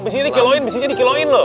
bisinya dikeloin bisinya dikeloin lho